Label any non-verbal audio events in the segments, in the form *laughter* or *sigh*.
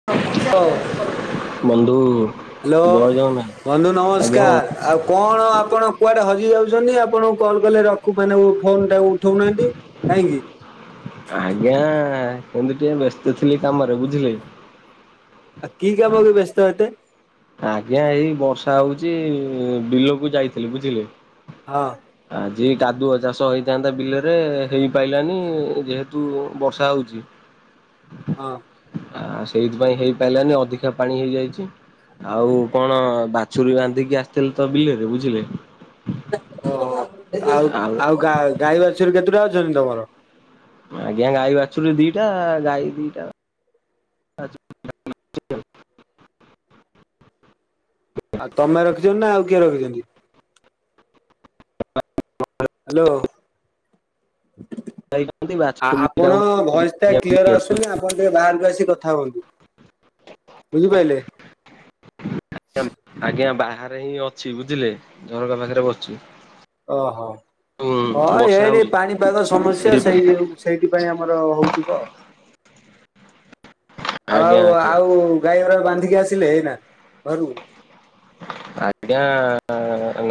*inaudible* ବନ୍ଧୁ ହ୍ୟାଲୋ, ଜୟ ଜଗନ୍ନାଥ। ବନ୍ଧୁ ଆଜ୍ଞା ବନ୍ଧୁ ନମସ୍କାର। କଣ ଆପଣ କୁଆଡେ ହଜି ଯାଉଛନ୍ତି ଆପଣଙ୍କୁ କଲ୍ କଲେ ରଖୁ ମାନେ ଫୋନ ଟା ଉଠଉନାହାନ୍ତି? କାହିଁକି? ଆଜ୍ଞା ଏମିତି ଟିକେ ବ୍ୟସ୍ତ ଥିଲି କାମରେ ବୁଝିଲେ କି? କି କାମ କି ବେସ୍ତ ଏତେ? ଆଜ୍ଞା ଏଇ ବର୍ଷା ହଉଚି ବିଲ କୁ ଯାଇଥିଲି ବୁଝିଲେ? ହଁ। ଆଜି କାଦୁଅ ଚାଷ ହେଇଥାନ୍ତା ବିଲରେ ହେଇପାରଲାନି ଯେହେତୁ ବର୍ଷା ହଉଛି। ହ ଆ ସେଇଥିପାଇଁ ହେଇପାରିଲାନି ଅଧିକା ପାଣି ହେଇଯାଇଛି। ଆଉ କଣ ବାଛୁରୀ ବାନ୍ଧିକି ଆସିଥିଲେ ତ ବିଲେରେ ବୁଝିଲେ। ଓ ଆଉ ଆଉ ଗା ଗାଈ ବାଛୁରୀ କେତୁଟା ଅଛନ୍ତି ତମର? ଆଜ୍ଞା ଗାଈ ବାଛୁରୀ ଦିଟା ଗାଈ ଦିଟା। ଆଉ ତମେ ରଖିଛନ୍ତି ନା ଆଉ କିଏ ରଖିଛନ୍ତି? ହ୍ୟାଲୋ। ଆ ବାଛୁରୀ ଆପଣ ଭଏସ ଟା ଦିଟାଙ୍କୁ କ୍ଲିଅର ଆସୁନି। ଆ ଆପଣ ଟିକେ ବାହାରକୁ ଆସିିକି କଥା ହୁଅନ୍ତୁ। ବୁଝିପାଇଲେ? ଆଜ୍ଞା ବାହାରେ ହିଁ ଅଛି ବୁଝିଲେ ଝରକା ପାଖରେ ବସିଚି। ଓହୋ ହଁ ବର୍ଷା ଏଠି ହଉଛି ପାଣିପାଗ ସମସ୍ୟା ସେଇ ସେଇଥି ଯୋ ସେଇଥି ପାଇଁ ଆମର ହଉଥିବ। ଆଜ୍ଞା ଆଉ ଆଜ୍ଞା ଆଉ ଗାଈ ଉରାକୁ ବାନ୍ଧିକି ଆସିଲେ ଏଇନା? ଘରୁକୁ? ଆଜ୍ଞା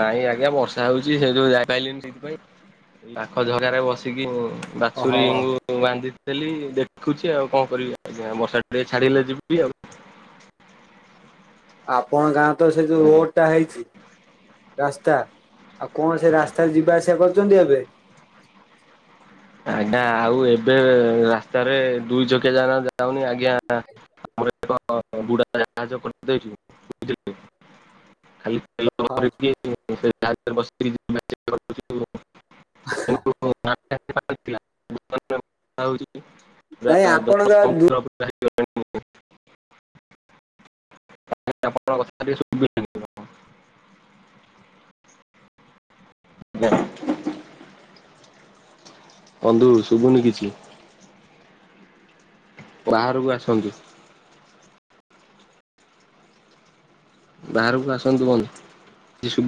ନାଇଁ ଆଜ୍ଞା ବର୍ଷା ହଉଛି ସେ ଯୋଗୁ ଯାଇ ପାଇଲିନି ସେଥିପାଇଁ। ପାଖ ଝରକା ରେ ବସିକି ମୁଁ ବାଛୁରୀ ଓହୋ। ଙ୍କୁ ମୁ ବାନ୍ଧିଥିଲି ଦେଖୁଛି ଆଉ କଣ କରିବି ଆଜ୍ଞା ବର୍ଷା ଟିକେ ଛାଡିଲେ ଯିବି ଆଉ। ଆପଣ ଗାଁ ତ ସେ ଯୋଉ ଆଜ୍ଞା। ରୋଡ ଟା ହେଇଛି ରାସ୍ତା- ଆଉ କଣ ସେ ରାସ୍ତାରେ ଯିବା ଆସିବା କରୁଛନ୍ତି ଏବେ? ଆଜ୍ଞା ଆଉ ଏବେ ରାସ୍ତାରେ ଦୁଇ ଚକିଆ ଯାନ ଯାଉନି ଆଜ୍ଞା। ଆମର ଏକ ବୁଢା ଜାହାଜ କରିଦଛି *unintelligible* ଖାଲି ହଁ *unintelligible* ଆଛ *unintelligible* *unintelligible* ନାଇଁ ଆପଣଙ୍କ ଦୁ ପଣଥା *inaudible* ହଜ୍ *inaudible* ବନ୍ଧୁ ଶୁଭୁନି କିଛି। ବାହାରକୁ ଆସନ୍ତୁ। ବାହାରକୁ ଆସନ୍ତୁ ବନ୍ଧୁ